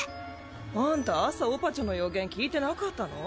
アンタ朝オパチョの予言聞いてなかったの？